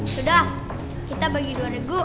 sudah kita bagi dua regu